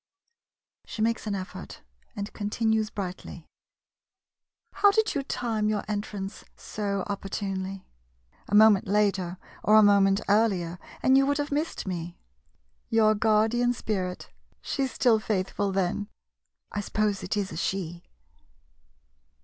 [She makes an effort and continues brightly.] How did you time your entrance so op portunely? A moment later, or a moment earlier — and you would have missed me. Your guardian spirit — she 's still faithful, then? I suppose it is a " she